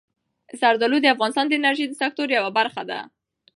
زردالو د افغانستان د انرژۍ د سکتور یوه برخه ده.